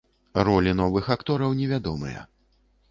Ролі новых актораў невядомыя.